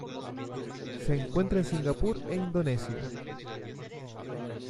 Se encuentra en Singapur e Indonesia.